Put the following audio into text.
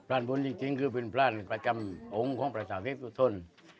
่านบุญจริงคือเป็นพรานประจำองค์ของประสาทเพชรสุทธน